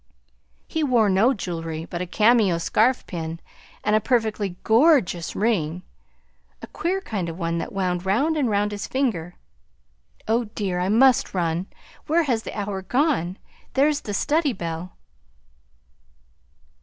"He wore no jewelry but a cameo scarf pin and a perfectly gorgeous ring, a queer kind of one that wound round and round his finger. Oh dear, I must run! Where has the hour gone? There's the study bell!"